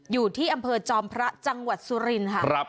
อยู่ที่อำเภอจอมพระจังหวัดสุรินทร์ค่ะ